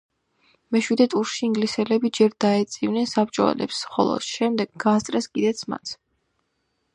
მეშვიდე ტურში ინგლისელები ჯერ დაეწივნენ საბჭოელებს, ხოლო შემდეგ გაასწრეს კიდეც მათ.